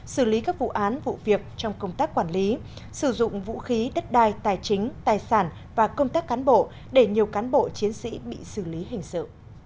xử lý các vụ án vụ việc trong công tác quản lý sử dụng vũ khí đất đai tài chính tài sản và công tác cán bộ để nhiều cán bộ chiến sĩ bị xử lý hình sự